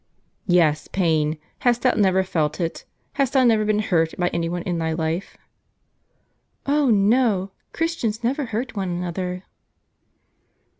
"Yes, pain. Hast thou never felt it? hast thou never been hurt by any one in thy life? "" Oh, no ! Christians never hurt one another."